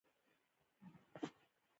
د بېلګې په توګه خپلواکي يا خودمختاري.